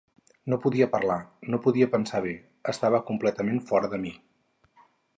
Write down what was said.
No podia parlar, no podia pensar bé, estava completament fora de mi.